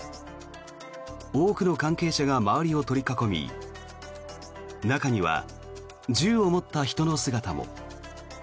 多くの関係者が周りを取り囲み中には銃を持った人の姿も。